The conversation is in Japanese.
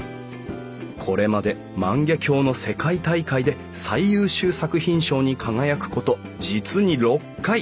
これまで万華鏡の世界大会で最優秀作品賞に輝くこと実に６回。